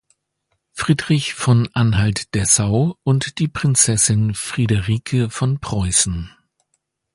Friedrich von Anhalt-Dessau und die Prinzessin Friederike von Preußen.